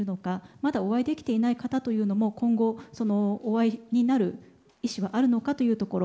まだお会いできていない方というのも今後、お会いになる意思はあるのかというところ。